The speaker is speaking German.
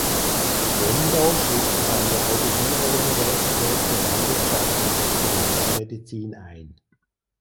Endo schrieb sich an der Obihiro Universität für Landwirtschaft und Veterinärmedizin ein.